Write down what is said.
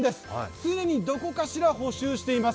常にどこかしら補修しています。